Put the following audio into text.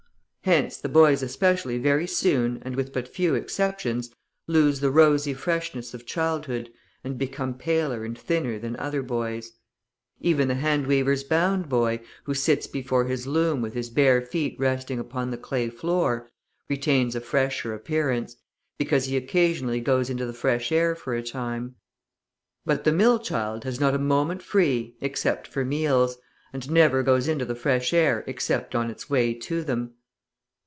Hence the boys especially very soon and with but few exceptions, lose the rosy freshness of childhood, and become paler and thinner than other boys. Even the hand weaver's bound boy, who sits before his loom with his bare feet resting upon the clay floor, retains a fresher appearance, because he occasionally goes into the fresh air for a time. But the mill child has not a moment free except for meals, and never goes into the fresh air except on its way to them.